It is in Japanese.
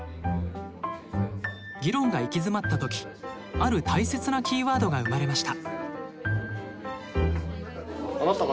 議論が行き詰まった時ある大切なキーワードが生まれました。